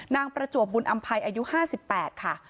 ประจวบบุญอำภัยอายุ๕๘ค่ะ